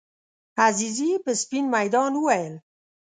عزیزي په سپین میدان وویل.